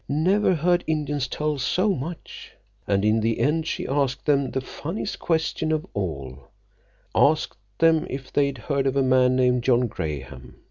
Never heard Indians tell so much. And in the end she asked them the funniest question of all, asked them if they'd heard of a man named John Graham.